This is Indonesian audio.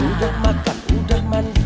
udah makan udah mandi